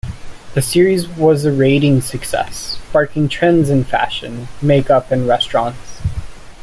The series was a ratings success, sparking trends in fashion, make-up and restaurants.